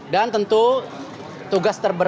dan tentu tugas terakhir